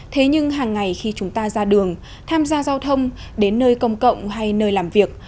thế nhưng hàng ngày khi chúng ta ra đường tham gia giao thông đến nơi công cộng hay nơi làm việc